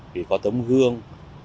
vì có tấm gương